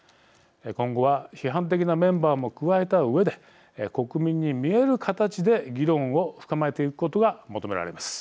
今後は、批判的なメンバーも加えたうえで国民に見える形で議論を深めていくことが求められます。